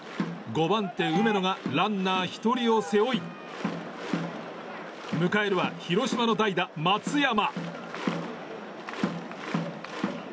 ５番手、梅野がランナー１人を背負い迎えるは広島の代打、松山。